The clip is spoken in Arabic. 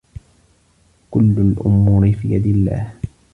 كلّ الأمور في يد الله.